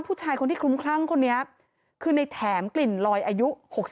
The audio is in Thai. ผู้ชายคนที่คลุ้มคลั่งคนนี้คือในแถมกลิ่นลอยอายุ๖๒